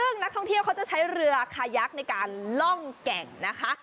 ซึ่งนักท่องเที่ยวเขาจะใช้เรือคายักษ์ในการล่องแก่งนะคะ